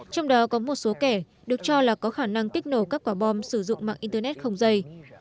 trong đó có một số kẻ được cho là có khả năng kích nổ các quả bom sử dụng mạng internet không dây